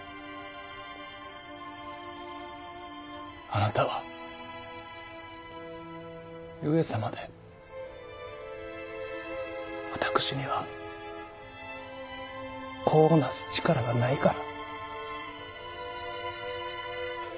あなたは上様で私には子をなす力がないから。